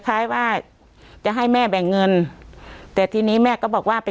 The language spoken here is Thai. คล้ายว่าจะให้แม่แบ่งเงินแต่ทีนี้แม่ก็บอกว่าไป